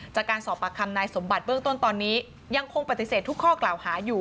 จากการสอบปากคำนายสมบัติเบื้องต้นตอนนี้ยังคงปฏิเสธทุกข้อกล่าวหาอยู่